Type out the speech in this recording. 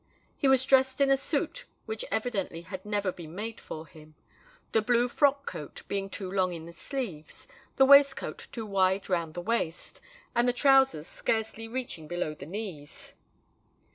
He was dressed in a suit which evidently had never been made for him,—the blue frock coat being too long in the sleeves, the waistcoat too wide round the waist, and the trousers scarcely reaching below the knees.